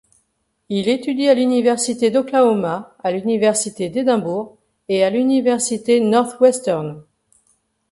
Il étudie à l'université d'Oklahoma, à l'université d'Édimbourg et à l'université Northwestern.